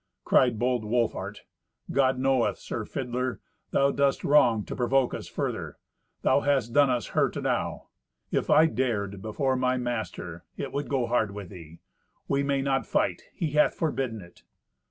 Cried bold Wolfhart, "God knoweth, sir fiddler, thou dost wrong to provoke us further; thou hast done us hurt enow. If I dared before my master, it would go hard with thee. We may not fight; he hath forbidden it."